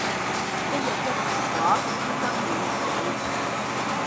一日一蘋果，醫生遠離你